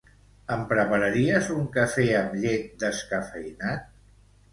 Em prepararies un cafè amb llet descafeïnat?